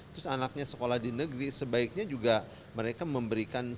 terus anaknya sekolah di negeri sebaiknya juga mereka memberikan